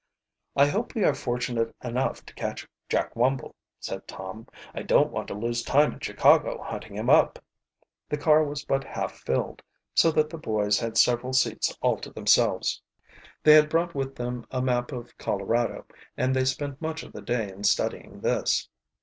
"I hope we are fortunate enough to catch Jack Wumble," said Tom. "I don't want to lose time in Chicago hunting him up." The car was but half filled, so that the boys had several seats all to themselves. They had brought with them a map of Colorado, and they spent much of the day in studying this.